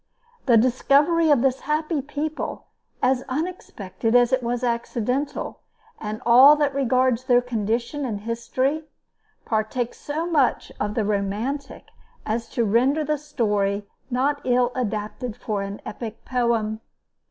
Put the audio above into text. The discovery of this happy people, as unexpected as it was accidental, and all that regards their condition and history, partake so much of the romantic as to render the story not ill adapted for an epic poem.